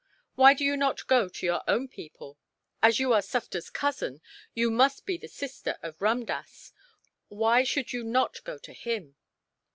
Why do you not go to your own people? As you are Sufder's cousin, you must be the sister of Ramdass. Why should you not go to him?"